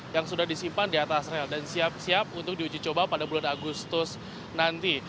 yang sudah disimpan di atas rel dan siap siap untuk diuji coba pada bulan agustus nanti